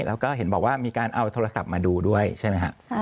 แล้วก็เห็นบอกว่ามีการเอาโทรศัพท์มาดูด้วยใช่ไหมครับ